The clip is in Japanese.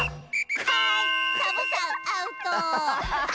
はいサボさんアウト！